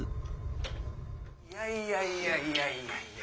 いやいやいやいや。